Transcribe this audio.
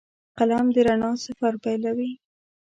قلم د رڼا سفر پیلوي